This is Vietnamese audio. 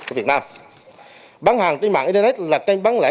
của việt nam bán hàng trên mạng internet là kênh bán lẻ